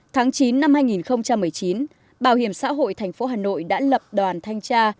tháng chín năm hai nghìn một mươi chín bảo hiểm xã hội thành phố hà nội đã lập đoàn thanh tra